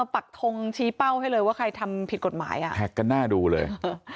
ปักทงชี้เป้าให้เลยว่าใครทำผิดกฎหมายอ่ะแท็กกันหน้าดูเลย